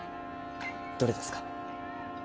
どれですか？